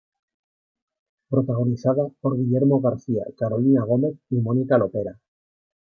Protagonizada por Guillermo García, Carolina Gómez y Mónica Lopera.